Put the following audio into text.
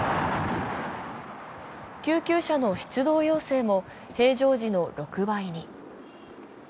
救急車の出動要請も平常時の６倍に。